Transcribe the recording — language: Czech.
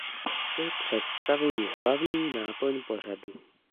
Ty představují hlavní náplň pořadu.